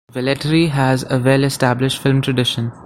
Velletri has a well established film tradition.